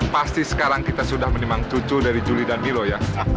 pasti sekarang kita sudah menimang cucu dari juli dan milo ya